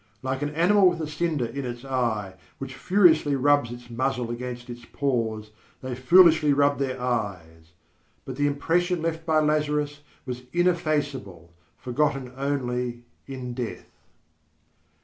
Like an animal with a cinder in its eye which furiously rubs its muzzle against its paws, they foolishly rubbed their eyes; but the impression left by Lazarus was ineffaceable, forgotten only in death.